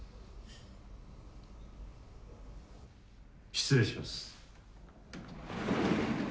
・失礼します。